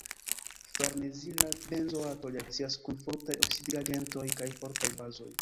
Farnezila benzoato reakcias kun fortaj oksidigagentoj kaj fortaj bazoj.